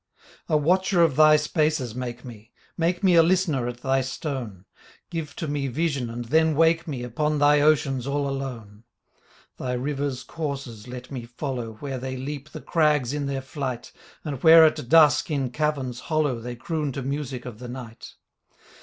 64 The Book of Poverty and Death A watcher of Thy spaces make me, Make me a listener at Thy stone, Give to me vision and then wake me Upon Thy oceans all alone. Thy rivers' courses let me follow Where they leap the crags in their flight And where at dusk in caverns hollow They croon to music of the night.